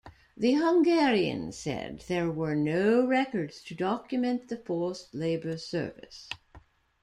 The Hungarians said there were no records to document the forced labor service.